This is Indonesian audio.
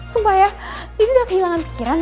sumpah ya ini udah kehilangan pikiran